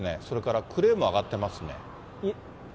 それからクレーンも上がってます